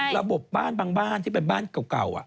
ระบบบ้านบางบ้านที่เป็นบ้านเก่า